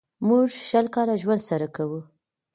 موږ شل کاله ژوند سره کوو.